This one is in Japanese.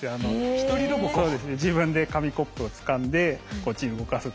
自分で紙コップをつかんでこっちに動かす。